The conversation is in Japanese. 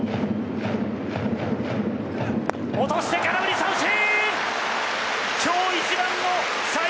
落として空振り三振！